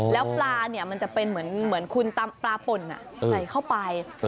แล้วปลาเนี่ยมันจะเป็นเหมือนคุณตำปลาป่นใส่เข้าไป